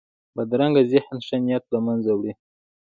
بدرنګه ذهن ښه نیت له منځه وړي